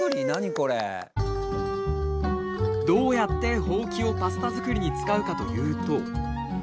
どうやってホウキをパスタ作りに使うかというと。